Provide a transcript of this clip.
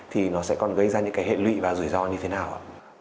thì nó sẽ còn gây ra những cái hệ lụy và rủi ro như thế nào ạ